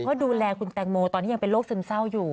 เพราะดูแลคุณแตงโมตอนนี้ยังเป็นโรคซึมเศร้าอยู่